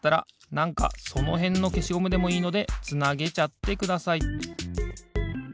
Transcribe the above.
なんかそのへんのけしゴムでもいいのでつなげちゃってください。